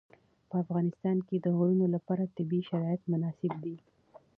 په افغانستان کې د غرونه لپاره طبیعي شرایط مناسب دي.